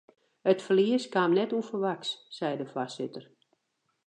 It ferlies kaam net ûnferwachts, seit de foarsitter.